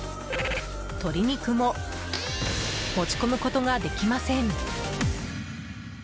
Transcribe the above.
鶏肉も持ち込むことができません。